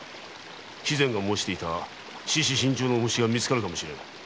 肥前が申していた獅子身中の虫がみつかるかもしれぬ。